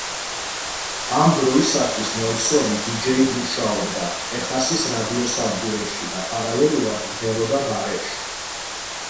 ამ დროისათვის ნელსონი დიჯეიდ მუშაობდა ტეხასის რადიოსადგურებში და პარალელურად მღეროდა ბარებში.